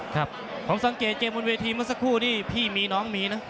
ครับผมสังเกตเกมบนเวทีเมื่อสักครู่นี่พี่มีน้องมีนะ